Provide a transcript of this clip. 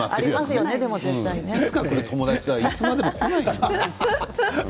いつかくる友達はいつまでもこない。